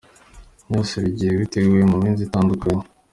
Byose bigiye biteguwe mu minsi itandukanye.